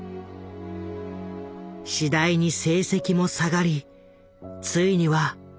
次第に成績も下がりついには落第した。